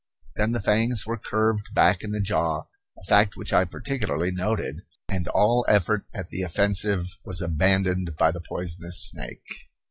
Then the fangs were curved back in the jaw, a fact which I particularly noted, and all effort at the offensive was abandoned by the poisonous snake.